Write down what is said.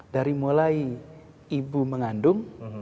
dari mulai ibu mengandung